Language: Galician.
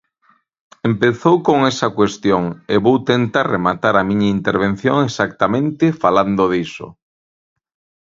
Empezou con esa cuestión e vou tentar rematar a miña intervención exactamente falando diso.